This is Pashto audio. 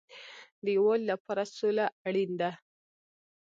د یووالي لپاره سوله اړین ده